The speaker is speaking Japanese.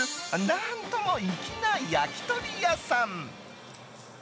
何とも粋な焼き鳥屋さん。